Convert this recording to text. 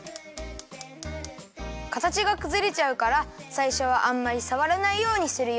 かたちがくずれちゃうからさいしょはあんまりさわらないようにするよ。